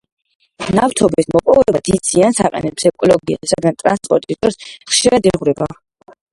ნავთობის მოპოვება დიდ ზიანს აყენებს ეკოლოგიას, რადგან ტრანსპორტირების დროს ხშირად იღვრება